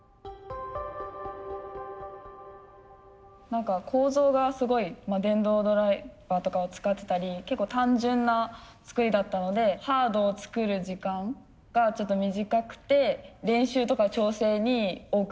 何か構造がすごい電動ドライバーとかを使ってたり結構単純な作りだったのでハードを作る時間がちょっと短くて練習とか調整に多く時間を充てられたから。